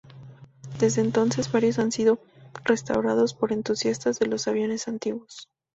Desde entonces, varios han sido restaurados por entusiastas de los aviones antiguos.